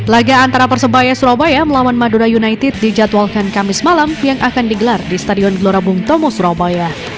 laga antara persebaya surabaya melawan madura united dijadwalkan kamis malam yang akan digelar di stadion gelora bung tomo surabaya